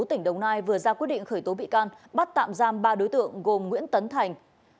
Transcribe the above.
tỉnh đồng nai vừa ra quyết định khởi tố bị can bắt tạm giam ba đối tượng gồm nguyễn tấn thành